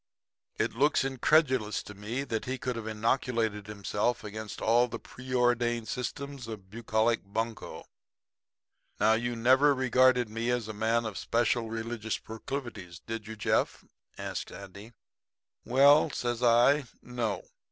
It looks incredulous to me that he could have inoculated himself against all the preordained systems of bucolic bunco. Now, you never regarded me as a man of special religious proclivities, did you, Jeff?' says Andy. "'Well,' says I, 'No.